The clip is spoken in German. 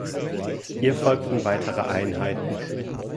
Ihr folgten weitere Einheiten.